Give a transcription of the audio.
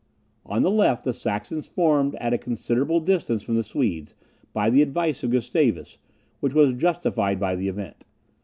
On the left, the Saxons formed at a considerable distance from the Swedes, by the advice of Gustavus, which was justified by the event.